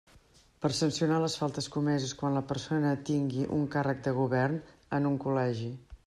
Per sancionar les faltes comeses quan la persona tingui un càrrec de govern en un col·legi.